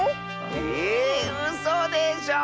ええうそでしょ